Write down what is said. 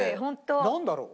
なんだろう？